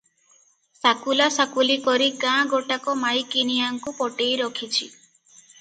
ସାକୁଲା ସାକୁଲି କରି ଗାଁ ଗୋଟାକ ମାଇକିନିଆଙ୍କୁ ପଟେଇରଖିଛି ।